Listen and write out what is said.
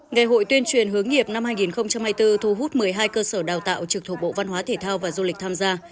ngày hội tuyên truyền hướng nghiệp năm hai nghìn hai mươi bốn thu hút một mươi hai cơ sở đào tạo trực thuộc bộ văn hóa thể thao và du lịch tham gia